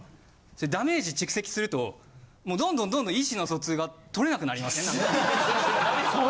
ダメージ蓄積するともうどんどんどんどん意思の疎通が取れなくなりません？